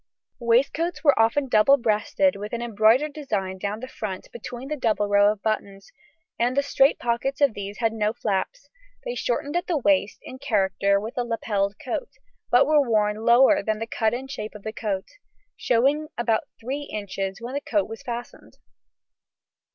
The waistcoats were often double breasted with an embroidered design down the front between the double row of buttons, and the straight pockets of these had no flaps; they shortened at the waist in character with the lapelled coat, but were worn lower than the cut in shape of the coat, showing about 3 inches when the coat was fastened.